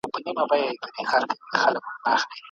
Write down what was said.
علم ته تلکه سوه عقل لاري ورکي کړې